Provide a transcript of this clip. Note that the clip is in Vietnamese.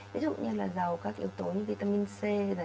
ví dụ như là giàu các yếu tố như vitamin c